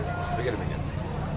jadi lebih nyaman